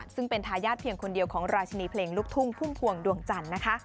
ซึ่งเป็นทายาทเพียงคนเดียวของราชินีเพลงลูกทุ่งพุ่มพวงดวงจันทร์นะคะ